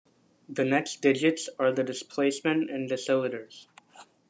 The next digits are the displacement in deciliters.